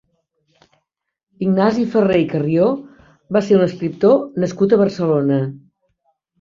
Ignasi Ferrer i Carrió va ser un escriptor nascut a Barcelona.